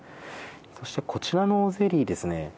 そして、こちらのゼリーですね